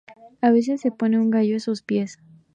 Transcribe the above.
A veces, se pone un gallo a sus pies.